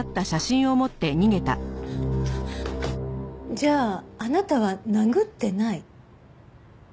じゃああなたは殴ってない？